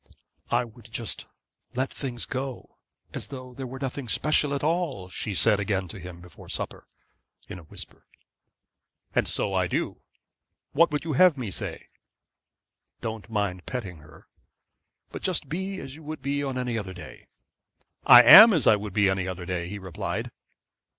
'I would just let things go, as though there were nothing special at all,' she said again to him, before supper, in a whisper. 'And so I do. What would you have me say?' 'Don't mind petting her, but just be as you would be any other day.' 'I am as I would be any other day,' he replied.